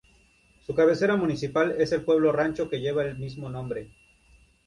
Su cabecera municipal es el pueblo rancho que lleva el mismo nombre.